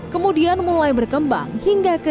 kemudian mulai berkembang hingga ke